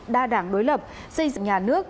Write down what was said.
đa đảng đối lập xây dựng nhà nước